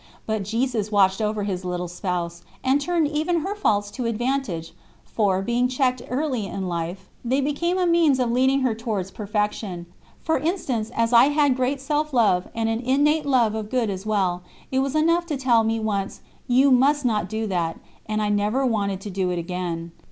But Jesus watched over His little Spouse, and turned even her faults to advantage, for, being checked early in life, they became a means of leading her towards perfection. For instance, as I had great self love and an innate love of good as well, it was enough to tell me once: "You must not do that," and I never wanted to do it again.